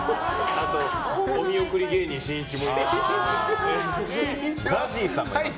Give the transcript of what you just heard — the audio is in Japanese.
あと、お見送り芸人しんいちも。